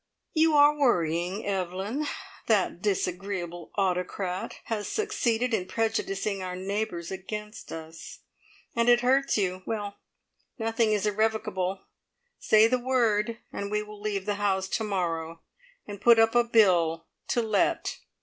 "You are worrying, Evelyn. That disagreeable autocrat has succeeded in prejudicing our neighbours against us, and it hurts you. Well, nothing is irrevocable. Say the word, and we will leave the house to morrow, and put up a bill to let!"